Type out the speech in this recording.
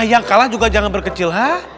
nah yang kalah juga jangan berkecil